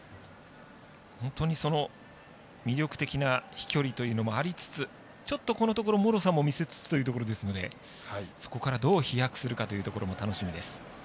本当に、その魅力的な飛距離というのもありつつちょっとこのところもろさも見せつつというところですのでそこから、どう飛躍するかというところも楽しみです。